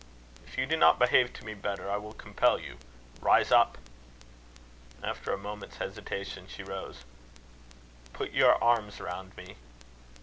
"If you do not behave to me better, I will compel you. Rise up!" After a moment's hesitation, she rose. "Put your arms round me."